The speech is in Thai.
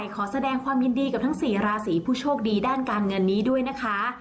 ขอแสดงความยินดีกับทั้ง๔ราศีผู้โชคดีด้านการเงินนี้ด้วยนะคะ